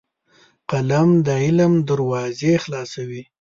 قلم د علم دروازې خلاصوي